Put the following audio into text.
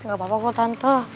gak apa apa kok tante